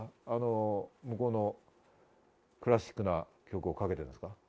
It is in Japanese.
向こうのクラシックな曲をかけてるんですか？